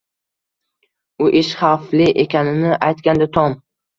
U ish xavfli ekanini aytgandi, Tom